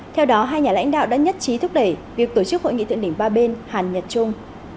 theo đó hai nhà lãnh đạo đã nhất trí thúc đẩy việc tổ chức hội nghị thượng đỉnh ba bên hàn nhật trung